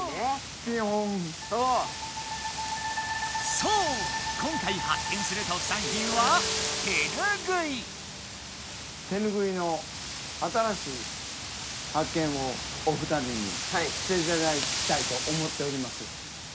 そう今回ハッケンする特産品は手ぬぐいの新しいハッケンをお二人にしていただきたいと思っております。